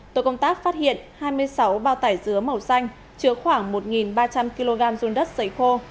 tổ công tác phát hiện hai mươi sáu bao tải dứa màu xanh chứa khoảng một ba trăm linh kg dùng đất xấy khô